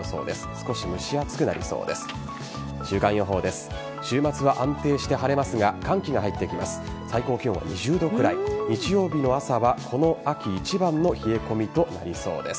少し蒸し暑くなりそうです。